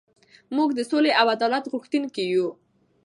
موږ د سولې او عدالت غوښتونکي یو.